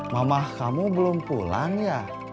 mamah kamu belum pulang ya